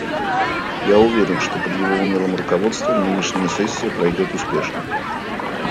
Я уверен, что под его умелым руководством нынешняя сессия пройдет успешно.